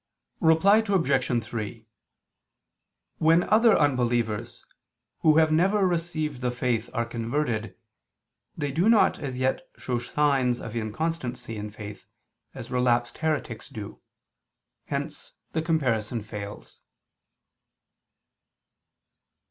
Reply Obj. 3: When other unbelievers, who have never received the faith are converted, they do not as yet show signs of inconstancy in faith, as relapsed heretics do; hence the comparison fails.